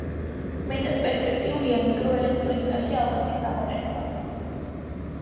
მეტად პერსპექტიულია მიკროელექტრონიკაში ალმასის გამოყენება.